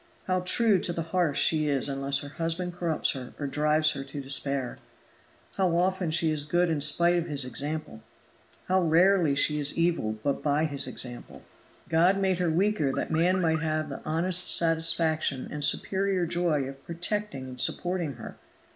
How true to the hearth she is unless her husband corrupts her or drives her to despair! How often she is good in spite of his example! How rarely she is evil but by his example! God made her weaker that man might have the honest satisfaction and superior joy of protecting and supporting her.